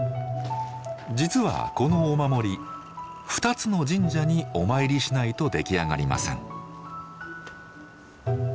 実はこのお守り二つの神社にお参りしないと出来上がりません。